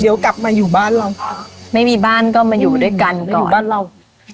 เดี๋ยวกลับมาอยู่บ้านเราไม่มีบ้านก็มาอยู่ด้วยกันก็อยู่บ้านเรา